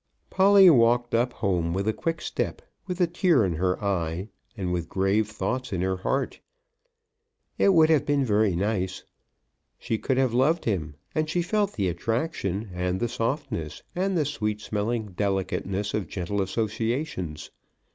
Polly, walked up home with a quick step, with a tear in her eye, and with grave thoughts in her heart. It would have been very nice. She could have loved him, and she felt the attraction, and the softness, and the sweet smelling delicateness of gentle associations.